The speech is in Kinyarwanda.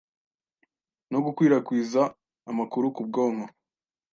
no gukwirakwiza amakuru k’ubwonko,